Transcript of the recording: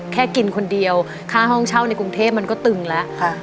แค่กินคนเดียวค่าห้องเช่าในกรุงเทพมันก็ตึงแล้ว